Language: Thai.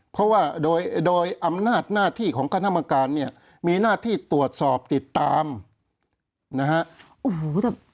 เพราะว่าโดยโดยอำนาจหน้าที่ของคณะกรรมการเนี่ยมีหน้าที่ตรวจสอบติดตามนะฮะ